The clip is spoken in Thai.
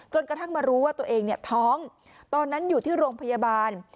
กระทั่งมารู้ว่าตัวเองเนี่ยท้องตอนนั้นอยู่ที่โรงพยาบาล